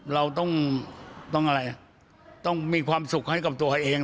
เราต้องมีความสุขให้กับตัวเอง